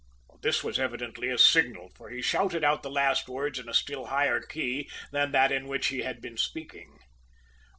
"This was evidently a signal, for he shouted out the last words in a still higher key than that in which he had been speaking.